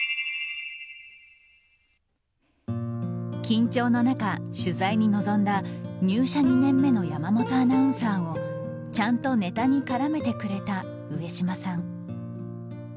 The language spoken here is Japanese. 緊張の中、取材に臨んだ入社２年目の山本アナウンサーをちゃんとネタに絡めてくれた上島さん。